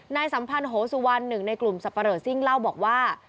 สัมพันธ์โหสุวรรณหนึ่งในกลุ่มสับปะเลอร์ซิ่งเล่าบอกว่า